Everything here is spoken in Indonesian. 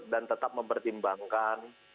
dan tetap mempertimbangkan